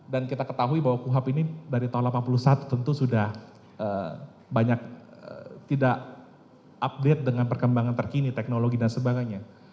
dan kita ketahui bahwa kuhab ini dari tahun seribu sembilan ratus delapan puluh satu tentu sudah banyak tidak update dengan perkembangan terkini teknologi dan sebagainya